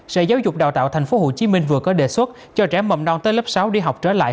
sở giáo dục đào tạo tp hcm vừa có đề xuất cho trẻ mầm non tới lớp sáu đi học trở lại